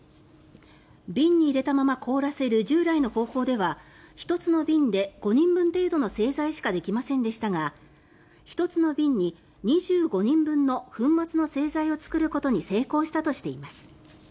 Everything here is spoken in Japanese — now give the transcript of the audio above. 瓶に入れたまま凍らせる従来の方法では１つの瓶で５人分程度の製剤しかできませんでしたが１つの瓶に２５人分の粉末の製剤を作ることに成功したとしています。